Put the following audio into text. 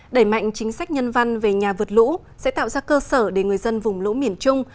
đẩy mạnh chính sách nhân văn về nhà vượt lũ sẽ tạo ra cơ sở để người dân vùng lũ miền trung